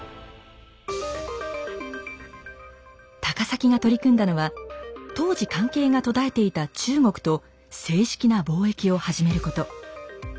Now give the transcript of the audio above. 高碕が取り組んだのは当時関係が途絶えていた中国と正式な貿易を始めること。